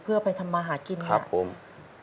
เพื่อไปทำอาหารกินอย่างนี้ครับครับผม